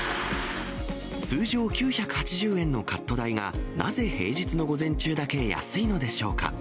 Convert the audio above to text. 通常９８０円のカット代が、なぜ、平日の午前中だけ安いのでしょうか。